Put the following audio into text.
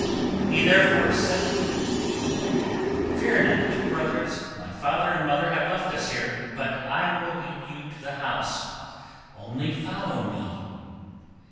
He therefore said to them, "Fear not, brothers, my father and mother have left us here, but I will lead you to the house only follow me."